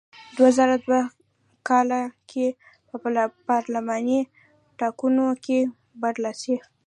دوه زره دوه کال کې په پارلماني ټاکنو کې برلاسی و.